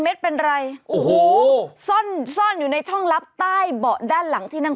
เม็ดเป็นไรโอ้โหซ่อนซ่อนอยู่ในช่องลับใต้เบาะด้านหลังที่นั่ง